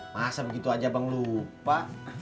masa begitu aja bang lupa